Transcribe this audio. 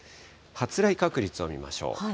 発雷確率を見ましょう。